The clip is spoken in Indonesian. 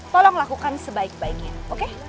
tolong lakukan sebaik baiknya oke